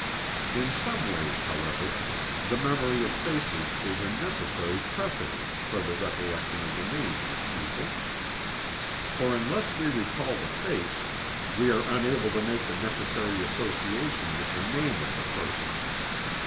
In some ways, however, the memory of faces is a necessary precedent for the recollection of the names of people. For unless we recall the face, we are unable to make the necessary association with the name of the person.